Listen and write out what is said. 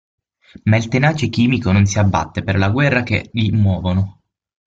Ma il tenace chimico non si abbatte per la guerra che gli muovono.